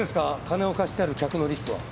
金を貸してある客のリストは。